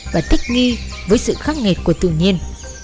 và thích nghi với sự khắc nghiệt của tự nhiên